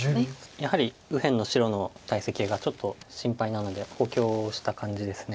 やはり右辺の白の大石がちょっと心配なので補強した感じです。